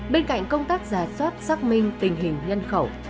bên cạnh công tác giả soát xác minh tình hình nhân khẩu